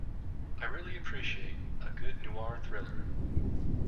I really appreciate a good noir thriller.